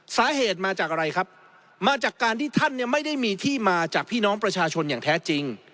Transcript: สาเหตุมาจากอะไรครับมาจากการที่ท่านเนี่ยไม่ได้มีที่มาจากพี่น้องประชาชนอย่างแท้จริง